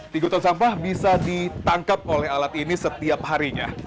tiga ton sampah bisa ditangkap oleh alat ini setiap harinya